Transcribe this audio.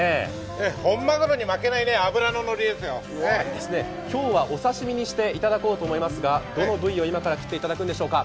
ええ、本マグロに負けない脂の乗りですよ。今日はお刺身にしていただこうと思いますが、どの部位を切っていただけるんですか？